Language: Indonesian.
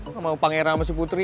sama pangeran sama si putri